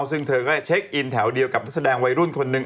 ซึ่งเธอก็เช็คอินแถวเดียวกับนักแสดงวัยรุ่นคนหนึ่ง